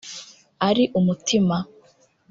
ari umutima